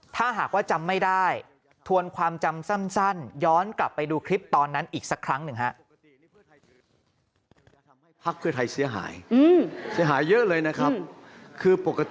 ถ้าหากว่าจำไม่ได้ทวนความจำสั้นย้อนกลับไปดูคลิปตอนนั้นอีกสักครั้งหนึ่งฮะ